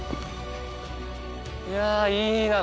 いやいいな。